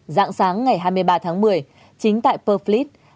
giãng sáng ngày hai mươi ba tháng một mươi chính tại purfleet